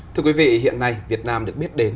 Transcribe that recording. thưa quý vị hiện nay việt nam được biết đến